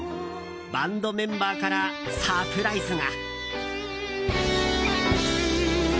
バンドメンバーからサプライズが。